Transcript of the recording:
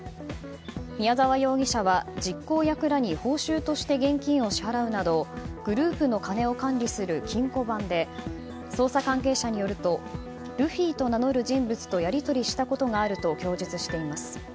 宮沢容疑者は実行役らに報酬として現金を支払うなどグループの金を管理する金庫番で捜査関係者によるとルフィと名乗る人物とやり取りしたことがあると供述しています。